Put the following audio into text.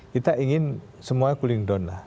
kita ingin semua cooling down lah